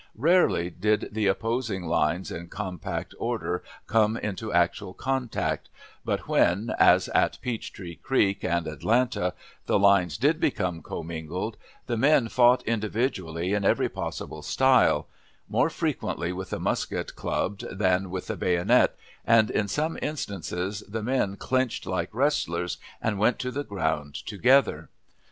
Rarely did the opposing lines in compact order come into actual contact, but when, as at Peach Tree Creek and Atlanta, the lines did become commingled, the men fought individually in every possible style, more frequently with the musket clubbed than with the bayonet, and in some instances the men clinched like wrestlers, and went to the ground together.